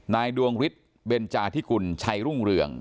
ดวงฤทธิ์เบนจาธิกุลชัยรุ่งเรือง